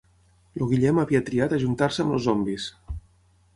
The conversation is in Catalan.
El Guillem havia triat ajuntar-se amb els zombis.